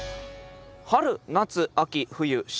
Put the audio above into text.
春夏秋冬新年。